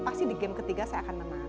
pasti di game ketiga saya akan menang